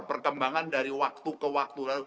perkembangan dari waktu ke waktu